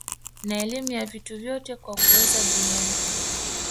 na elimu ya vitu vyote kwa kuweza duniani